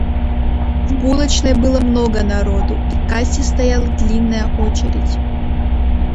В булочной было много народу, и к кассе стояла длинная очередь.